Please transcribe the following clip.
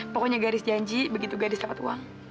pokoknya garis janji begitu garis dapat uang